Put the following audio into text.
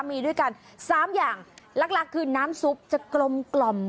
มีด้วยกันสามอย่างหลักคือน้ำซุปจะกลมกล่อม